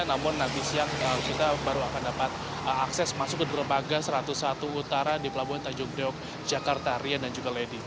namun nanti siang kita baru akan dapat akses masuk ke dermaga satu ratus satu utara di pelabuhan tanjung priok jakarta rian dan juga lady